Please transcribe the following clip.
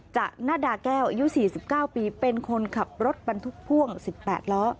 ณดาแก้วอายุ๔๙ปีเป็นคนขับรถบรรทุกพ่วง๑๘ล้อ